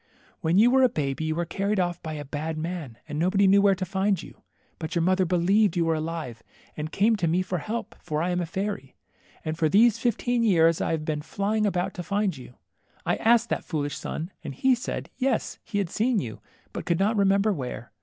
When you were a baby you were carried off by a bad man, and nobody knew where to find you. But your mother believed you^ were alive, and came to me for help, for I am a fairy. And for these fifteen years I have been flying about to find you. I asked that foolish sun, and he said, yes, he had seen you, but could not remember where.